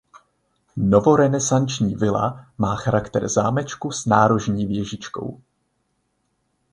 Novorenesanční vila má charakter zámečku s nárožní věžičkou.